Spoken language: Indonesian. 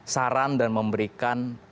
saran dan memberikan